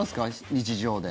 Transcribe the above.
日常で。